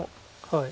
はい。